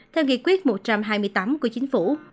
theo nghị quyết một trăm hai mươi tám của chính phủ